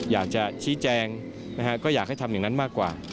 อยากจะชี้แจงนะฮะก็อยากให้ทำอย่างนั้นมากกว่า